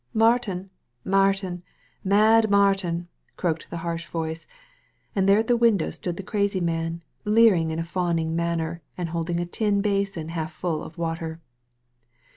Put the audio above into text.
''Martini Martini Mad Martin!" croaked the harsh voice ; and there at the window stood the crazy man, leering in a fawning manner, and holding a tin basin half full of water.